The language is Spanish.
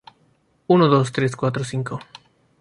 Se otorga en cinco grados.